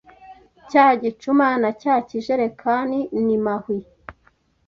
cya gicuma na cya kijerekani ni mahwi